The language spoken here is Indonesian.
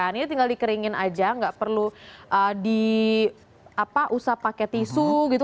ini tinggal dikeringin aja nggak perlu di usah pakai tisu gitu